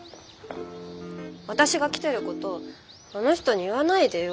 私が来てることあの人に言わないでよ。